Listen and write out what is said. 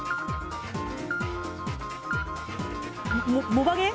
モバゲー？